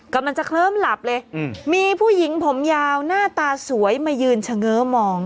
กำลังจะเคลิ้มหลับเลยมีผู้หญิงผมยาวหน้าตาสวยมายืนเฉง้อมอง